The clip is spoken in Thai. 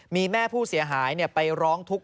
มีแม่ผู้เสียหายไปร้องทุกข์